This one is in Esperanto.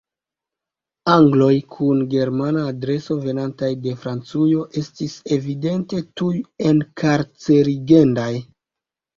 Angloj kun Germana adreso venantaj de Francujo estis evidente tuj enkarcerigendaj.